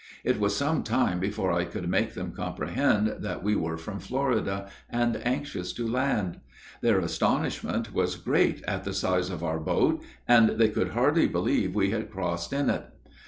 It was some time before I could make them comprehend that we were from Florida, and anxious to land. Their astonishment was great at the size of our boat, and they could hardly believe we had crossed in it.